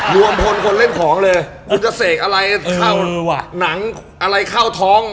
รวมพลคนเล่นของเลยคุณจะเสกอะไรเข้าหนังอะไรเข้าท้อง